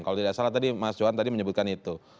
kalau tidak salah tadi mas johan tadi menyebutkan itu